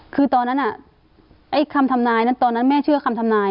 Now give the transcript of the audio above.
คือตอนนั้นคำทำนายนั้นตอนนั้นแม่เชื่อคำทำนาย